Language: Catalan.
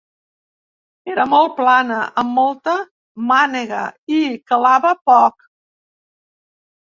Era molt plana, amb molta mànega i calava poc.